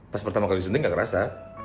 pas pertama kali disuntik nggak ngerasa